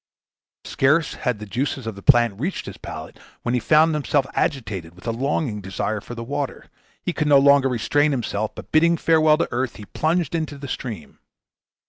Scarce had the juices of the plant reached his palate when he found himself agitated with a longing desire for the water. He could no longer restrain himself, but bidding farewell to earth, he plunged into the stream.